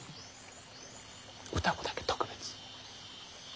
歌子だけ特別。